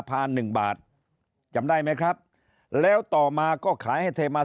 พาหนึ่งบาทจำได้ไหมครับแล้วต่อมาก็ขายให้เทมา